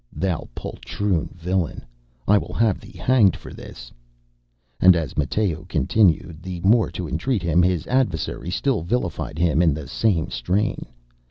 Thou poltroon villain, I will have thee hanged for this! ŌĆØ And as Matteo continued the more to entreat him, his adversary still vilified him in the same strain.